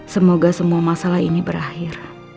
semoga semua masalah ini berakhir